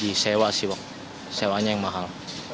disewa sih bang sewanya yang mahal